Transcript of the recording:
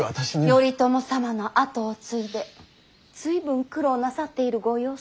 頼朝様の跡を継いで随分苦労なさっているご様子。